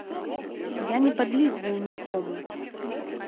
Я не падлізваю нікому!